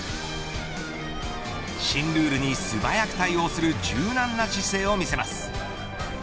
新ルールに素早く対応する柔軟な姿勢を見せます。